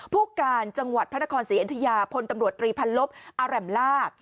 ผู้การจังหวัดพระนครศรีอยุธยาพลตำรวจตรีพันลบอาแหร่มลาบ